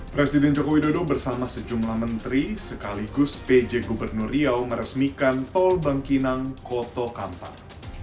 presiden jokowi dodo bersama sejumlah menteri sekaligus pj gubernur riau meresmikan tol bangkinang koto kampar